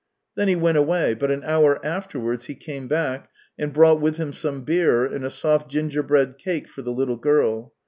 Then he went away, but an hour afterwards he came back, and brought with him some beer and a soft gingerbread cake for the little girl.